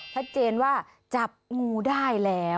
ชัดเจนว่าจับงูได้แล้ว